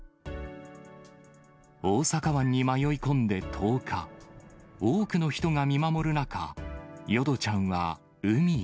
大阪湾に迷い込んで１０日、多くの人が見守る中、淀ちゃんは海へ。